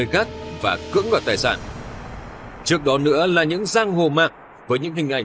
các tác động từ những